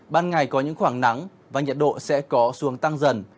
ban ngày có những khoảng nắng và nhiệt độ sẽ có xuống tăng dần